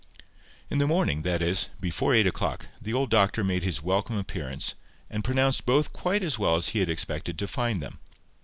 In the morning, that is, before eight o'clock, the old doctor made his welcome appearance, and pronounced both quite as well as he had expected to find them.